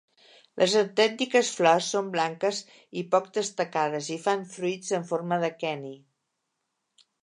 Les autèntiques flors són blanques i poc destacades i fan fruits en forma d'aqueni.